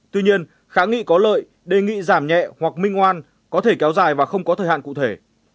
tuy nhiên kháng nghị có lợi đề nghị giảm nhẹ hoặc minh hoan có thể kéo dài và không có thời hạn cụ thể